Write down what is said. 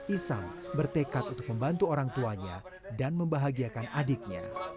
isang bertekad untuk membantu orang tuanya dan membahagiakan adiknya